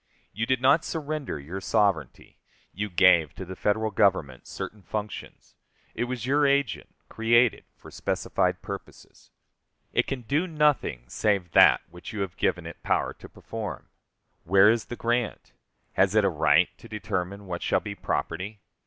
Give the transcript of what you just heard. You did not surrender your sovereignty. You gave to the Federal Government certain functions. It was your agent, created for specified purposes. It can do nothing save that which you have given it power to perform. Where is the grant? Has it a right to determine what shall be property?